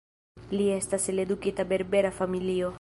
Li estas el edukita berbera familio.